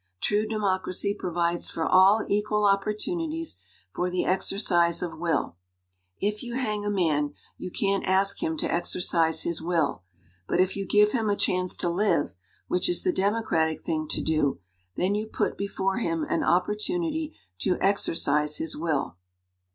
True democracy provides for all equal opportuni ties for the exercise of will. If you hang a man, 234 'EVASIVE IDEALISM' you can't ask him to exercise his will. But if you give him a chance to live which is the demo cratic thing to do then you put before him an opportunity to exercise his will."